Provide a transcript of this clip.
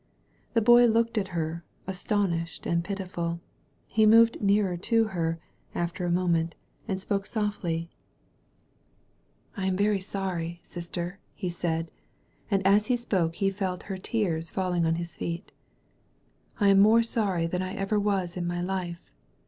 The Boy looked at her, astonished and pitifid. He moved nearer to her, after a moment, and spoke softly. 29S THE VALLEY OF VISION "I am veiy sony, sister/' he said; and as he spoke he fdt her tears falling on his feet. *'I am more sony than I ever was in my life.